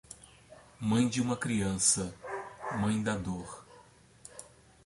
Mãe de uma criança, mãe da dor.